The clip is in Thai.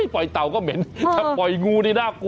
เต่าก็เหม็นถ้าปล่อยงูนี่น่ากลัว